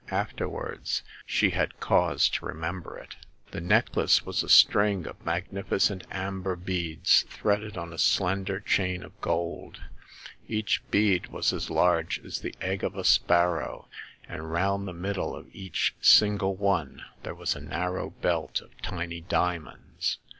Afterwards sho had cause to remember it. The Second Customer. 63 The necklace was a string of magnificent amber beads threaded on a slender chain of gold. Each bead was as large as the egg of a sparrow, and round the middle of every single one there was a narrow belt of tiny diamonds.